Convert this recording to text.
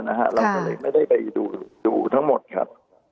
เราก็เลยไม่ได้ไปดูทั้งหมดครับ